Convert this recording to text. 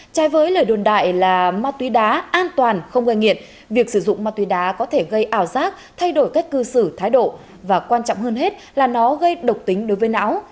trai với lời đồn đại là ma túy đá an toàn không gây nghiện việc sử dụng ma túy đá có thể gây ảo giác thay đổi cách cư xử thái độ và quan trọng hơn hết là nó gây độc tính đối với não